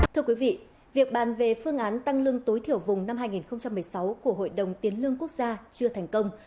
thưa quý vị việc bàn về phương án tăng lương tối thiểu vùng năm hai nghìn một mươi sáu của hội đồng tiến lương quốc gia chưa thành công